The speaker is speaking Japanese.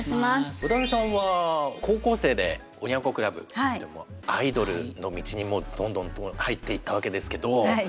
渡辺さんは高校生でおニャン子クラブでアイドルの道にもうどんどんと入っていったわけですけど。